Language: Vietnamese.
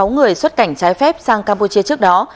sáu người xuất cảnh trái phép sang campuchia trước đó